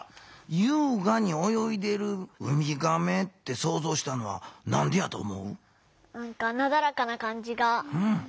「優雅におよいでるウミガメ」ってそうぞうしたのはなんでやと思う？